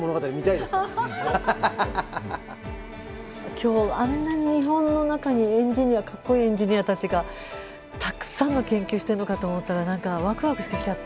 今日あんなに日本の中にエンジニアかっこいいエンジニアたちがたくさんの研究してるのかと思ったら何かワクワクしてきちゃった。